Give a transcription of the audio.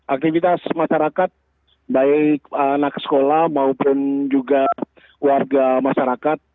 aktivitas masyarakat baik anak sekolah maupun juga warga masyarakat